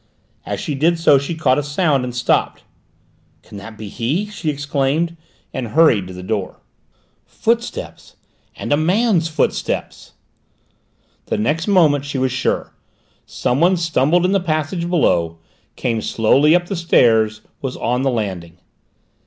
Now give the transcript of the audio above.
As she did so she caught a sound and stopped. "Can that be he?" she exclaimed, and hurried to the door. "Footsteps and a man's footsteps!" The next moment she was sure. Someone stumbled in the passage below, came slowly up the stairs, was on the landing.